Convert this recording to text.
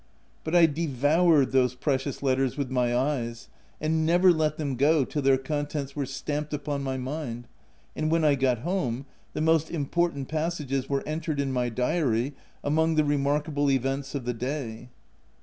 But I devoured those precious letters with my eyes, and never let them go till their con tents were stamped upon my mind ; and when I got home, the most important passages were entered in my diary among the remarkable nts of the day.